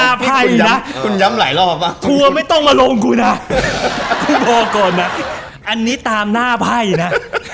อันนี้ก็คุณย้ำคุณย้ำหลายรอบหรอว่าไม่ต้องมาโรงกูนะคุณบอกก่อนนะอันนี้ตามหน้าไพ่นะ